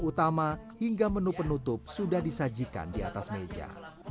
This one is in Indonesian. utama hingga menu penutup sudah disajikan di atas meja